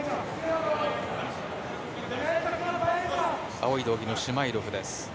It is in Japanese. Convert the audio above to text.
青い道着のシュマイロフです。